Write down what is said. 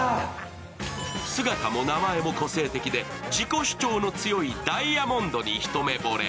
姿も名前も個性的で自己主張の強いダイアモンドに一目ぼれ。